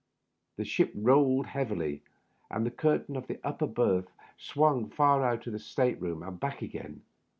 The ship rolled heavily, and the curtain of the upper berth swung far out into the state room and back again.